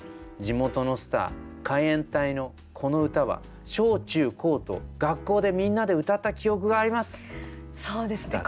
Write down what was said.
地元のスター海援隊のこの歌は小中高と学校でみんなで歌った記憶があります」。